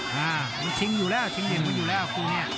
คนคึงอยู่แล้วคึนเรีย่มนั้นอยู่แล้วคู่นี้